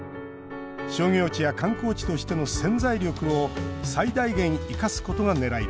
商業地や観光地としての潜在力を最大限、生かすことがねらいです。